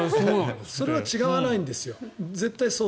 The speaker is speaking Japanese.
それは違わないんだよ。